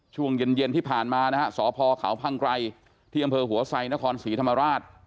ช่วงเย็นที่ผ่านมานะฮะสพเขาพังไกรที่อำเภอหัวไซนครศรีธรรมราช